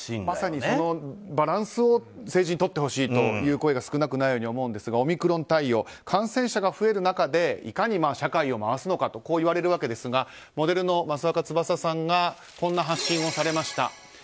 まさにバランスを政治にとってほしいという声が少なくないように思うんですがオミクロン対応感染者が増える中でいかに社会を回すのかといわれるわけですがモデルの益若つばささんがこんな発信をされました。